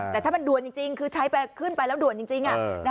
แต่ถ้ามันด่วนจริงคือใช้ไปขึ้นไปแล้วด่วนจริง